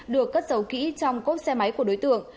được cất dấu kỹ trong cốt xe máy của đối tượng